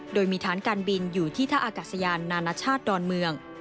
โดยมีฐานการบินอยู่ที่ท่าอากาศยานนานาชาติดอนเมือง